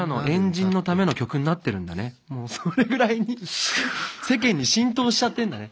それぐらい世間に浸透しちゃってんだね。